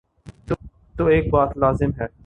تو ایک بات لازم ہے۔